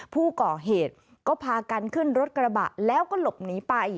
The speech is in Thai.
ผู้ก่อเหตุก็พากันขึ้นรถกระบะแล้วก็หลบหนีไป